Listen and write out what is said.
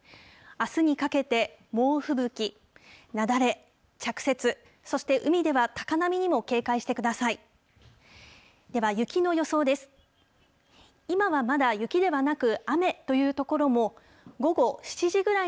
あすにかけて猛吹雪、雪崩、着雪、そして、海では高波にも警戒してください。